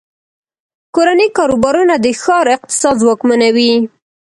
کورني کاروبارونه د ښار اقتصاد ځواکمنوي.